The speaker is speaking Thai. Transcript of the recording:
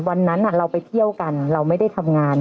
วันนั้นเราไปเที่ยวกันเราไม่ได้ทำงาน